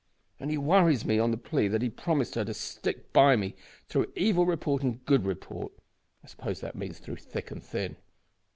And he worries me on the plea that he promised her to stick by me through evil report and good report. I suppose that means through thick and thin.